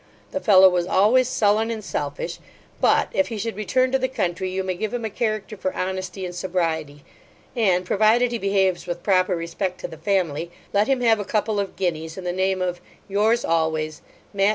The fellow was always sullen and selfish; but, if he should return to the country, you may give him a character for honesty and sobriety; and, provided he behaves with proper respect to the family, let him have a couple of guineas in the name of Yours always, MATT.